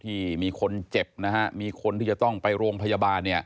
ที่มีคนเจ็บนะฮะมีคนที่จะต้องไปโรงพยาบาล